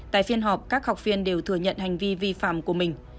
tại phiên họp các học viên đều thừa nhận hành vi vi phạm của mình